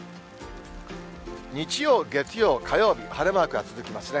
日曜、月曜、火曜日、晴れマークが続きますね。